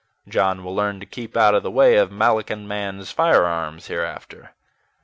John will learn to keep out of the way of Melican man's firearms hereafter.